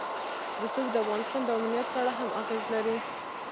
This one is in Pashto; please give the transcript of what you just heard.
رسوب د افغانستان د امنیت په اړه هم اغېز لري.